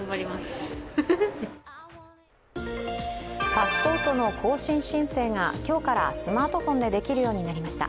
パスポートの更新申請が今日からスマートフォンでできるようになりました。